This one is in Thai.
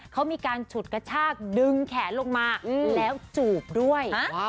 เขามีการฉุดกระชากดึงแขนลงมาแล้วจูบด้วย